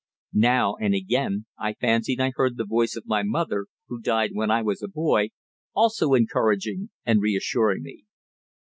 Now and again I fancied I heard the voice of my mother, who died when I was a boy, also encouraging and reassuring me.